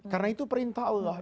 karena itu perintah allah